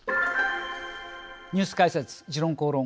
ニュース解説「時論公論」